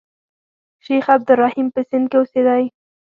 شیخ عبدالرحیم په سند کې اوسېدی.